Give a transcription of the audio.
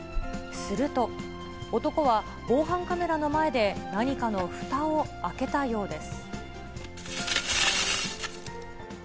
すると、男は防犯カメラの前で何かのふたを開けたようです。